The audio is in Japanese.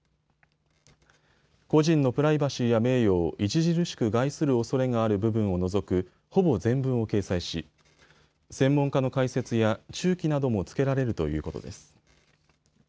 個人のプライバシーや名誉を著しく害するおそれがある部分を除くほぼ全文を掲載し、専門家の解説や注記などもつけられるということです。